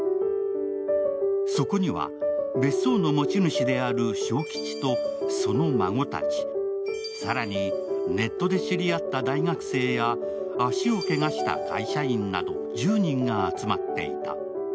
そこには別荘の持ち主である昭吉とその孫たち、更にネットで知り合った大学生や足をけがした会社員など１０人が集まっていた。